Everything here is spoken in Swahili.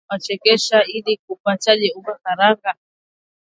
saga na kuchekecha ili upate unga wa karanga